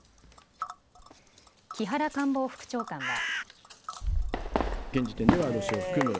木原官房副長官は。